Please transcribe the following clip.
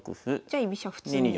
じゃあ居飛車普通に。